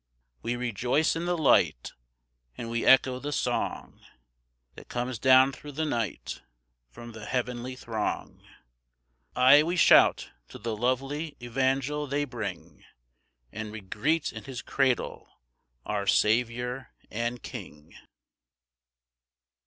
We rejoice in the light, And we echo the song That comes down through the night From the heavenly throng. Ay! we shout to the lovely evangel they bring, And we greet in His cradle our Saviour and King.